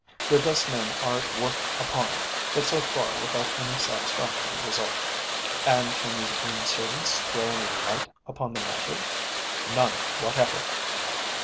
Their best men are at work upon it, but so far without any satisfactory result." "And can his own servants throw any light upon the matter?" "None whatever!"